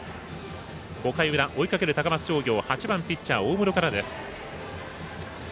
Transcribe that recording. ５回裏、追いかける高松商業８番ピッチャー大室からです。